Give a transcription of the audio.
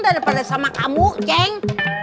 daripada sama kamu ceng